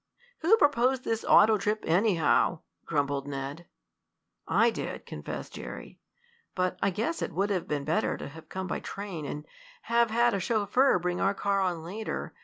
"Who proposed this auto trip, anyhow?" grumbled Ned. "I did," confessed Jerry. "But I guess it would have been better to have come by train, and have had a chauffeur bring our car on later.